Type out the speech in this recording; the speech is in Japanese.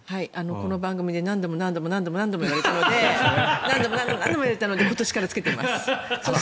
この番組で何度も何度も何度も何度も言われたので何度も何度も言われたので今年からつけています。